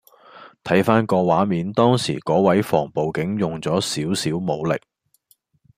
睇返個畫面當時嗰位防暴警用咗少少武力